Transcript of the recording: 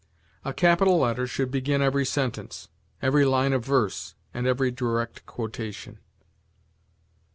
A capital letter should begin every sentence, every line of verse, and every direct quotation.